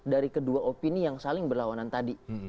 dari kedua opini yang saling berlawanan tadi